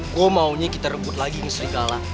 kok maunya kita rebut lagi srigala